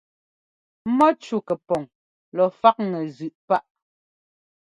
Mɔ́cú kɛpɔŋ lɔ faꞌŋɛ zʉꞌ páꞌ.